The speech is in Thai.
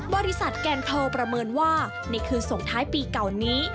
บริษัทแกนโทประเมินว่าในคืนส่งท้ายปีเก่านี้